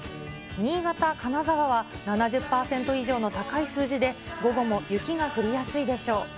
新潟、金沢は７０％以上の高い数字で、午後も雪が降りやすいでしょう。